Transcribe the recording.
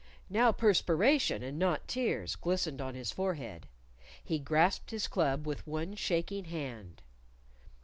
Now perspiration and not tears glistened on his forehead. He grasped his club with one shaking hand.